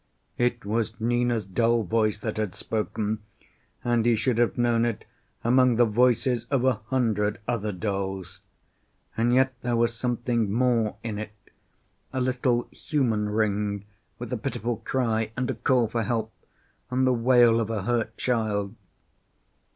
It was Nina's doll voice that had spoken, and he should have known it among the voices of a hundred other dolls. And yet there was something more in it, a little human ring, with a pitiful cry and a call for help, and the wail of a hurt child.